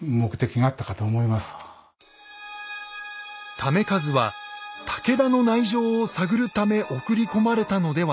為和は武田の内情を探るため送り込まれたのではないか。